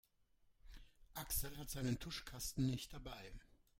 Axel hat seinen Tuschkasten nicht dabei.